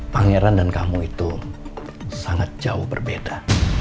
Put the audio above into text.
pangeran dan kamu itu sangat jauh berbeda